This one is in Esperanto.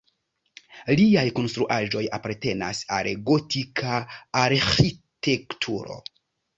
Liaj konstruaĵoj apartenas al gotika arĥitekturo.